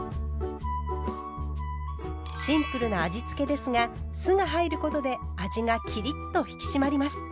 シンプルな味付けですが酢が入ることで味がきりっと引き締まります。